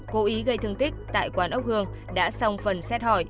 cố ý gây thương tích tại quán ốc hương đã xong phần xét hỏi